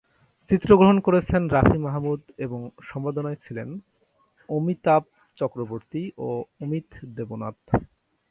চিত্রগ্রহণ করেছেন রাফি মাহমুদ এবং সম্পাদনায় ছিলেন অমিতাভ চক্রবর্তী ও অমিত দেবনাথ।